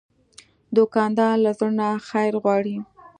دوکاندار له زړه نه خیر غواړي.